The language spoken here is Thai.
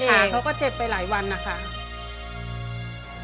เขาก็เจ็บไปหลายวันนะคะ